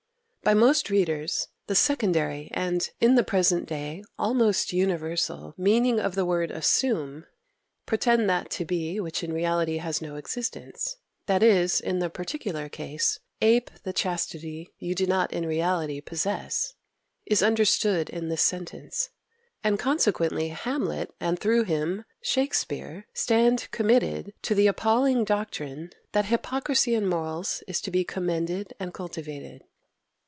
By most readers the secondary, and, in the present day, almost universal, meaning of the word assume "pretend that to be, which in reality has no existence;" that is, in the particular case, "ape the chastity you do not in reality possess" is understood in this sentence; and consequently Hamlet, and through him, Shakspere, stand committed to the appalling doctrine that hypocrisy in morals is to be commended and cultivated.